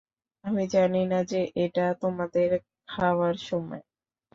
আমি জানিনা যে এটা তোমাদের খাওয়ার সময়।